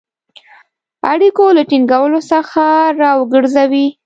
اړیکو له ټینګولو څخه را وګرځوی.